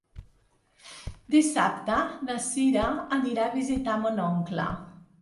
Dissabte na Cira anirà a visitar mon oncle.